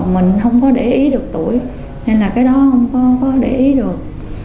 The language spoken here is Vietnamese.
mình không có để ý được tuổi nên là cái đó không có để ý được